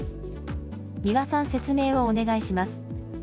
三輪さん、説明をお願いします。